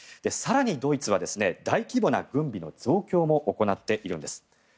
更にドイツは大規模な軍備の増強も行っているんです。